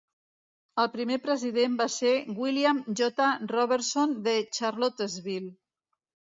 El primer president va ser William J. Robertson de Charlottesville.